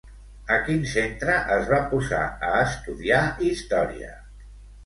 A quin centre es va posar a estudiar història?